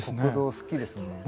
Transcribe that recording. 国道好きですね。